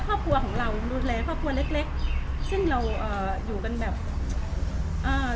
ครอบครัวของเราดูแลครอบครัวเล็กเล็กเช่นเราเอ่ออยู่กันแบบอ่า